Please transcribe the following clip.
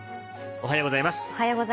おはようございます。